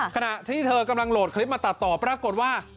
ขณะที่เธอกำลังโหลดคลิปมาตัดต่อปรากฏว่า